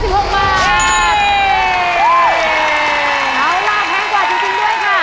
แล้วราคาแพงกว่าจริงด้วยค่ะ